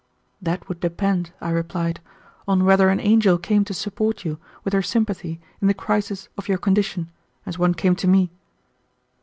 "That would depend," I replied, "on whether an angel came to support you with her sympathy in the crisis of your condition, as one came to me."